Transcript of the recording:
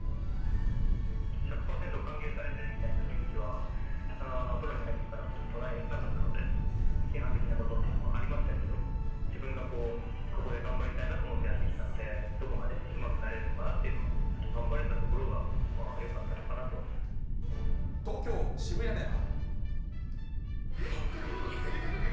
１００％歓迎されてるみたいな雰囲気は、プロに入ってからもずっとなかったので、批判的なことというのはありましたけど、自分がここで頑張りたいなと思ってやってきたので、どこまでうまくなれるのかなというのを頑張れたところがよかった東京・渋谷では。